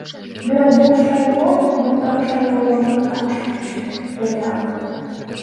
Бирок бул шайлоо мурдагы шайлоолордон да ашып түштү, — деди ал.